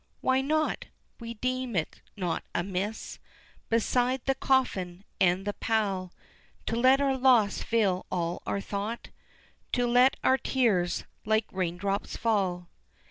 Why not? We deem it not amiss Beside the coffin and the pall To let our loss fill all our thought, To let our tears like raindrops fall.